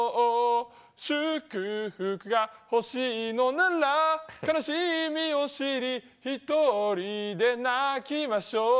「祝福が欲しいのなら悲しみを知り独りで泣きましょう」